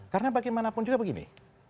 karena bagaimanapun juga begini